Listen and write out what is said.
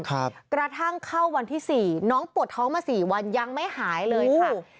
กระทั่งเข้าวันที่สี่น้องปวดท้องมาสี่วันยังไม่หายเลยค่ะ